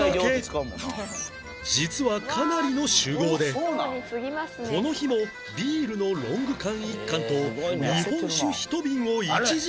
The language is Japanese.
実はかなりの酒豪でこの日もビールのロング缶１缶と日本酒１瓶を１時間で空けた